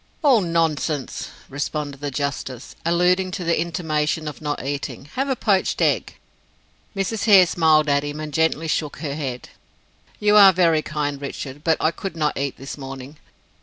"All nonsense," responded the justice, alluding to the intimation of not eating. "Have a poached egg." Mrs. Hare smiled at him, and gently shook her head. "You are very kind, Richard, but I could not eat it this morning.